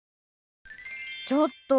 ちょっと！